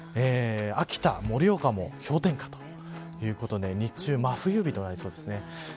秋田、盛岡も氷点下ということで日中は真冬日となりそうです。